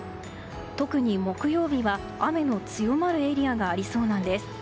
特に木曜日は雨の強まるエリアがありそうなんです。